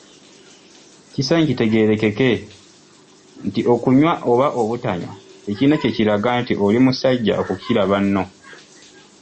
Kisaanye kitegeerekeke nti okunywa oba obutanywa tekirina kye kiraga nti oli musajja okukira banno.